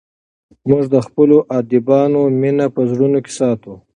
موږ د خپلو ادیبانو مینه په زړونو کې ساتو.